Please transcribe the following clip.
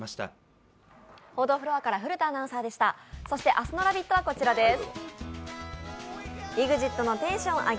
そして明日の「ラヴィット！」はこちらです。